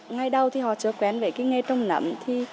ngay đầu họ chưa quen với nghề trồng nấm